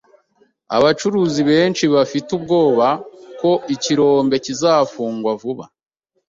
Abacukuzi benshi bafite ubwoba ko ikirombe kizafungwa vuba.